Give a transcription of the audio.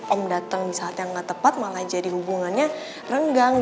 om datang di saat yang nggak tepat malah jadi hubungannya renggang